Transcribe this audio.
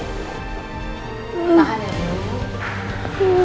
tahan ya ibu